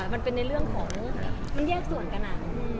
มันแยกส่วนกันอ่ะ